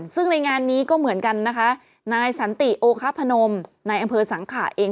ซึ่งในงานนี้ก็เหมือนกันนะคะนายสันติโอคพนมนายอำเภอสังขะเอง